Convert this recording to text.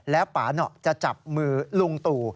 แล้วปาหนอจะจับมือลุงตู่